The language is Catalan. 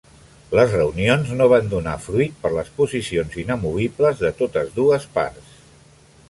Les reunions no van donar fruit per les posicions inamovibles de totes dues parts.